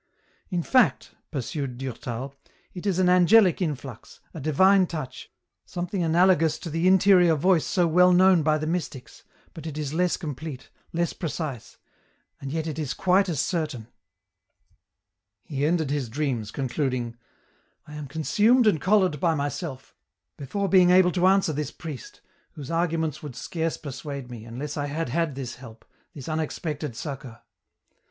In fact," pursued Durtal, " it is an angelic influx, a divine touch, something analogous to the interior voice so well known by the mystics, but it is less complete, less precise, ^nd yet it is quite as certain." He ended his dreams concluding, " I am consumed and collared by myself, before being able to answer this priest, whose arguments would scarce persuade me, unless I had had this help, this unexpected succour.